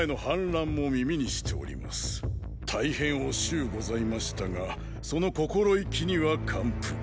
大変おしゅうございましたがその心意気には感服。